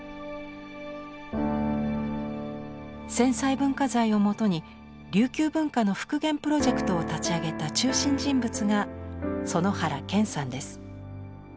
戦災文化財をもとに琉球文化の復元プロジェクトを立ち上げた中心人物が園原謙さんです。